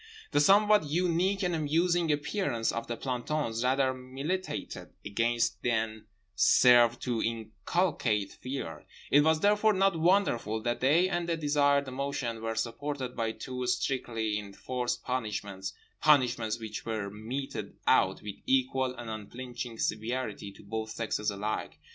The somewhat unique and amusing appearance of the plantons rather militated against than served to inculcate Fear—it was therefore not wonderful that they and the desired emotion were supported by two strictly enforced punishments, punishments which were meted out with equal and unflinching severity to both sexes alike.